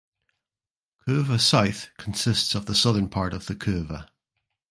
Couva South consists of the southern part of the Couva.